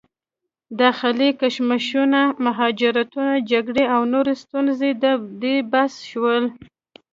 داخلي کشمکشونه، مهاجرتونه، جګړې او نورې ستونزې د دې باعث شول